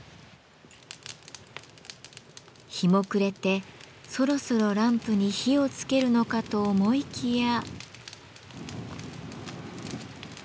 日も暮れてそろそろランプに火をつけるのかと思いきや。